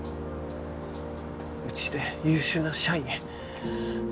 うちで優秀な社員？